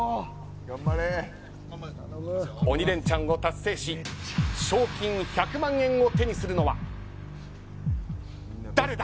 鬼レンチャンを達成し賞金１００万円を手にするのは誰だ。